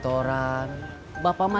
tidur metermini di laptop nya